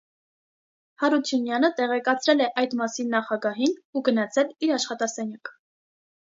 Հարությունյանը տեղեկացրել է այդ մասին նախագահին ու գնացել իր աշխատասենյակ։